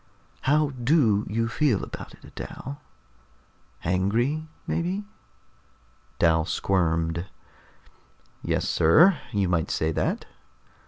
"How do you feel about it, Dal? Angry, maybe?" Dal squirmed. "Yes, sir. You might say that."